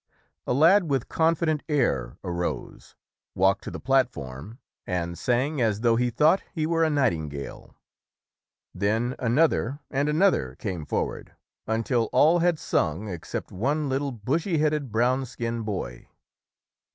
A lad with confident air arose, walked to the platform and sang as though he thought he were a nightingale. Then another and another came forward until all had sung except one little bushy headed, brown skinned boy.